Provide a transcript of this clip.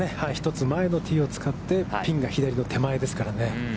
１つ前のティーを使って、ピンが左の手前ですからね。